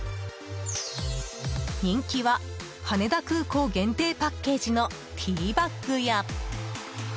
人気は羽田空港限定パッケージのティーバッグや。